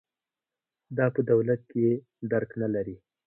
دا په دولت کې درک نه لري.